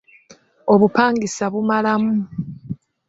Obupangisa bumalamu.